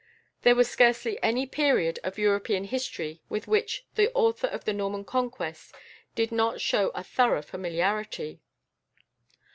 There was scarcely any period of European history with which the author of the "Norman Conquest" did not show a thorough familiarity.